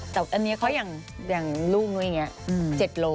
เพราะอย่างรูกจริงอย่างงี้๗โหล